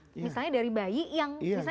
misalnya dari bayi yang bisa